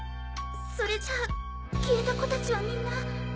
それじゃあ消えた子達はみんな。